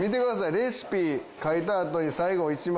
レシピ書いたあとに最後１枚。